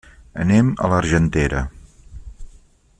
Anem a l'Argentera.